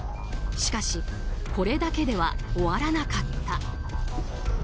しかしこれだけでは終わらなかった。